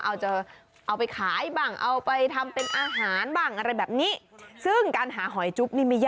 เอาไปขายบ้างเอาไปทำเป็นอาหารบ้างอะไรแบบนี้